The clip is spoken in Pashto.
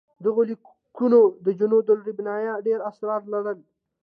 دغه لیکونه د جنودالربانیه ډېر اسرار لرل.